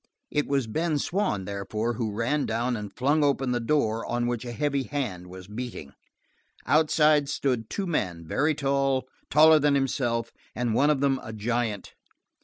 It was Ben Swann, therefore, who ran down and flung open the door, on which a heavy hand was beating. Outside stood two men, very tall, taller than himself, and one of them a giant.